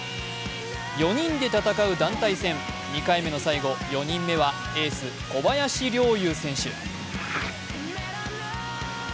４人で戦う団体戦、２回目の最後、４人目はエース、小林陵侑選手。